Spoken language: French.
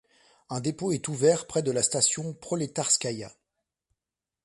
Un dépôt est ouvert près de la station Prolétarskaïa.